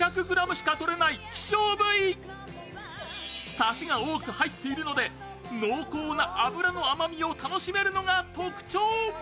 サシが多く入っているので、濃厚な脂の甘みを楽しめるのが特徴。